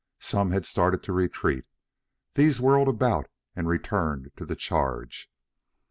Some had started to retreat. These whirled about and returned to the charge.